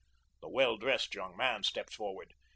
The well dressed young man stepped forward.